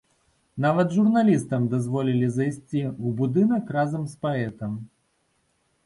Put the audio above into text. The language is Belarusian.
Нават журналістам дазволілі зайсці ў будынак разам з паэтам.